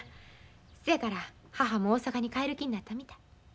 せやから母も大阪に帰る気になったみたい。